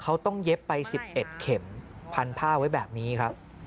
เขาต้องเย็บไป๑๑เข็มพันผ้าไว้แบบนี้ครับ